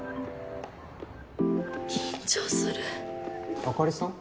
緊張するあかりさん？